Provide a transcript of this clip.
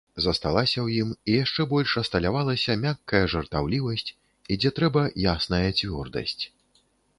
Засталася ў ім і яшчэ больш асталявалася мяккая жартаўлівасць і, дзе трэба, ясная цвёрдасць.